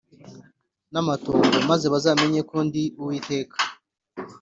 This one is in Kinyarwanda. n amatongo maze bazamenye yuko ndi Uwiteka